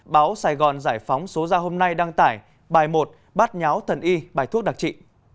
báo sài gòn giải phóng số ra hôm nay đăng tải bài một bát nháo thần y bài thuốc đặc trị